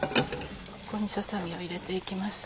ここにささ身を入れて行きます。